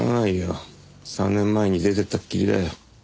３年前に出ていったきりだよ。